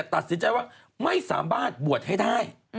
ตัดสินใจว่าไม่สามารถบวชให้ได้